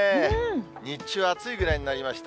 日中は暑いぐらいになりました。